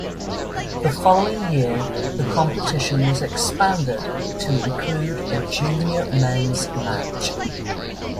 The following year the competition was expanded to include a junior men's match.